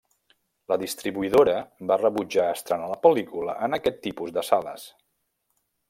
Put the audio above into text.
La distribuïdora va rebutjar estrenar la pel·lícula en aquest tipus de sales.